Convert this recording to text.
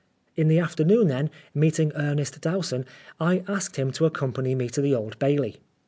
In the afternoon then, meeting Ernest Dowson, I asked him to accompany me to the Old Bailey.